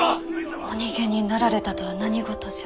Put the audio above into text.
お逃げになられたとは何事じゃ。